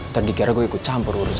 tadi kira gue ikut campur urusan dia